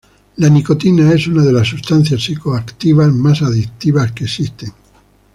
La nicotina es una de las sustancias psicoactivas más adictivas que existen.